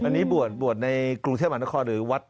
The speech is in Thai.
อันนี้บวชในกรุงเทพมหานครหรือวัด